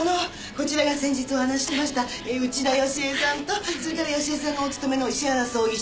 こちらが先日お話ししてました内田良恵さんとそれから良恵さんがお勤めの石原葬儀社の。